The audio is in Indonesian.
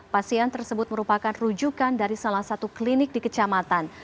pasien tersebut merupakan rujukan dari salah satu klinik di kecamatan